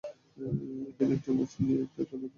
তিনি একটি মাছ নিয়ে তা একটি থলে পুরে নিলেন।